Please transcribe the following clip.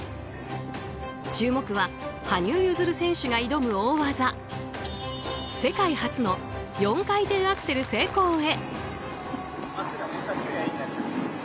注目は、羽生結弦選手が挑む大技世界初の４回転アクセル成功へ。